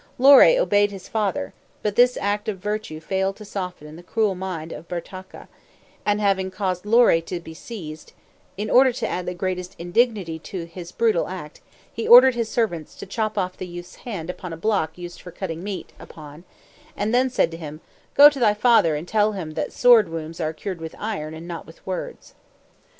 Lore obeyed his father; but this act of virtue failed to soften the cruel mind of Bertacca, and having caused Lore to be seized, in order to add the greatest indignity to his brutal act, he ordered his servants to chop off the youth's hand upon a block used for cutting meat upon, and then said to him, "Go to thy father, and tell him that sword wounds are cured with iron and not with words."